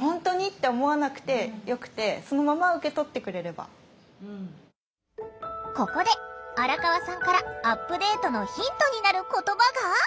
だからここで荒川さんからアップデートのヒントになる言葉が！？